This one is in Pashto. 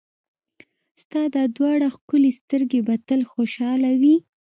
ستا دا دواړه ښکلې سترګې به تل خوشحاله وي.